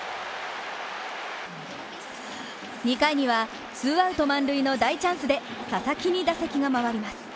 ２回には、ツーアウト満塁の大チャンスで佐々木に打席が回ります。